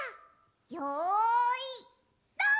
よいどん！